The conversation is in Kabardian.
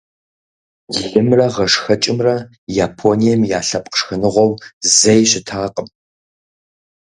Лымрэ гъэшхэкӀымрэ Японием я лъэпкъ шхыныгъуэу зэи щытакъым.